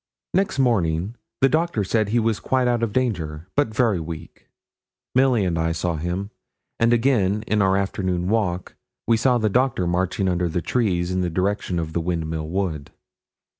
Next morning the doctor said he was quite out of danger, but very weak. Milly and I saw him; and again in our afternoon walk we saw the doctor marching under the trees in the direction of the Windmill Wood.